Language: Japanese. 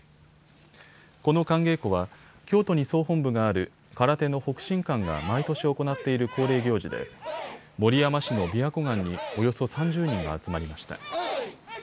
この寒稽古は京都に総本部がある空手の北辰館が毎年行っている恒例行事で守山市のびわ湖岸におよそ３０人が集まりました。